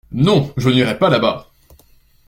Non, je n’irai pas là-bas.